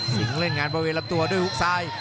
เดียวเรื่องงานหวายกับตัวด้วยลูกซ้าย